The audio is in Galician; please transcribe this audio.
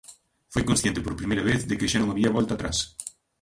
Foi consciente por primeira vez de que xa non había volta atrás.